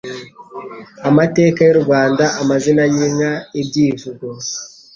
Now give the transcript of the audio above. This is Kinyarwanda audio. i,amateka y'u Rwanda, amazina y'inka, ibyivugo